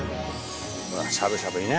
ほらしゃぶしゃぶにね。